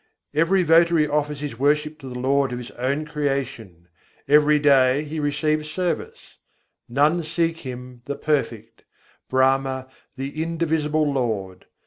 Every votary offers his worship to the God of his own creation: each day he receives service None seek Him, the Perfect: Brahma, the Indivisible Lord.